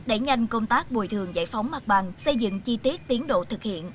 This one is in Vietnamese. đẩy nhanh công tác bồi thường giải phóng mặt bằng xây dựng chi tiết tiến độ thực hiện